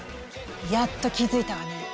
やっと気付いたわね！